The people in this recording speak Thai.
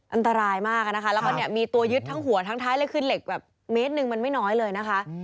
อันตรายมากนะคะแล้วก็เนี่ยมีตัวยึดทั้งหัวทั้งท้ายเลยคือเหล็กแบบเมตรหนึ่งมันไม่น้อยเลยนะคะ